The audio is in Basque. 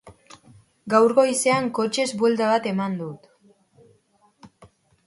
Gaur goizean kotxez buelta bat eman dut.